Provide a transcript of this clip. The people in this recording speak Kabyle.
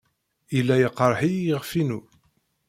Yella iqerreḥ-iyi yiɣef-inu.